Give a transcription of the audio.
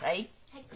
はい。